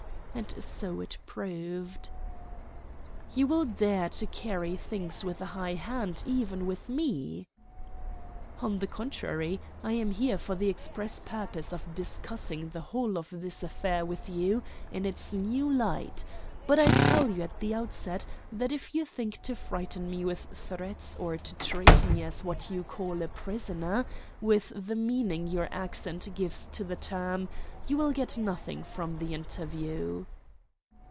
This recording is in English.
And so it proved. "You still dare to carry things with a high hand, even with me?" "On the contrary, I am here for the express purpose of discussing the whole of this affair with you in its new light. But I tell you at the outset that if you think to frighten me with threats or to treat me as what you call a prisoner, with the meaning your accent gives to the term, you will get nothing from the interview."